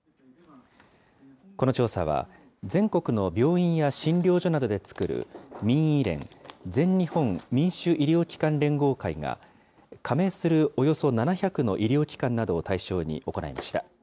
この調査は、全国の病院や診療所などで作る民医連・全日本民主医療機関連合会が、加盟するおよそ７００の医療機関などを対象に行いました。